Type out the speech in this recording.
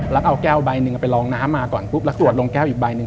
แล้วก็เอาแก้วใบหนึ่งไปลองน้ำมาก่อนปุ๊บแล้วสวดลงแก้วอีกใบหนึ่ง